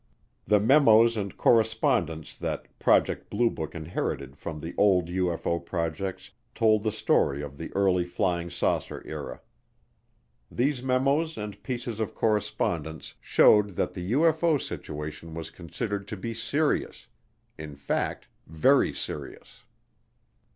The memos and correspondence that Project Blue Book inherited from the old UFO projects told the story of the early flying saucer era. These memos and pieces of correspondence showed that the UFO situation was considered to be serious; in fact, very serious.